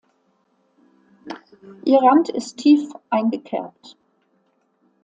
Ihr Rand ist tief eingekerbt.